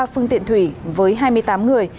ba phương tiện thủy với hai mươi tám người